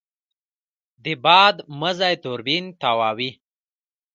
د باد مزی توربین تاووي.